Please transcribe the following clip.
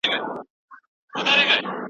انا په خپلو خبرو کې صادقه وه.